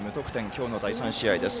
今日の第３試合です。